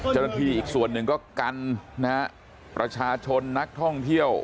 เจ้าหน้าที่อีกส่วนหนึ่งก็กรรณาประชาชนนักท่องเที่ยว